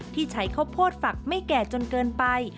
ที่ใช้ข้าวโพดฝักไม่แก่จนเกินไป